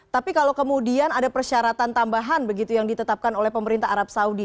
tapi kalau kemudian ada persyaratan tambahan begitu yang ditetapkan oleh pemerintah arab saudi